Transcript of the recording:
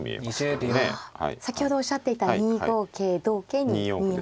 先ほどおっしゃっていた２五桂同桂２四歩と。